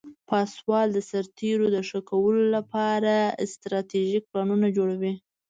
پاسوال د سرتیرو د ښه کولو لپاره استراتیژیک پلانونه جوړوي.